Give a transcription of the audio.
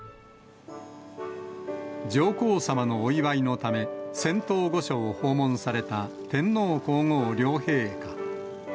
上皇さまのお祝いのため、仙洞御所を訪問された天皇皇后両陛下。